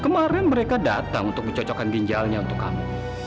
kemarin mereka datang untuk mencocokkan ginjalnya untuk kamu